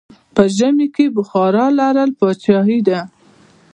په ژمی کې بخارا لرل پادشاهي ده.